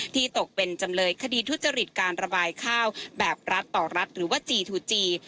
ตกเป็นจำเลยคดีทุจริตการระบายข้าวแบบรัฐต่อรัฐหรือว่าจีทูจี